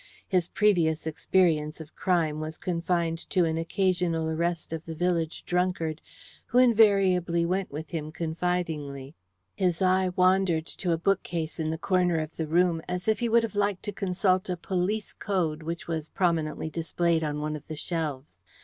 His previous experience of crime was confined to an occasional arrest of the village drunkard, who invariably went with him confidingly. His eye wandered to a bookcase in the corner of the room, as if he would have liked to consult a "Police Code" which was prominently displayed on one of the shelves.